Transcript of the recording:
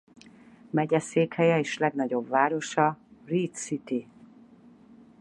Megyeszékhelye és legnagyobb városa Reed City.